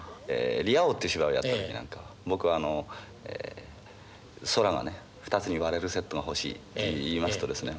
「リア王」って芝居をやった時なんか僕はあの空がね２つに割れるセットが欲しいって言いますとですね